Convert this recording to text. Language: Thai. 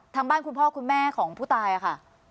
ทางบ้านคุณพ่อคุณแม่ของผู้ตายค่ะ